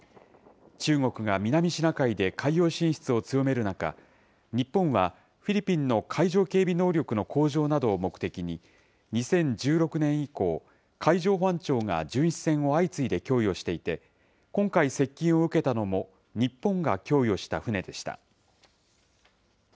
中国が南シナ海で海洋進出を強める中、日本はフィリピンの海上警備能力の向上などを目的に、２０１６年以降、海上保安庁が巡視船を相次いで供与していて、今回接近を受けたのも、日本が供与した船でした。